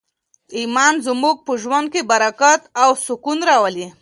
ایمان زموږ په ژوند کي برکت او سکون راولي.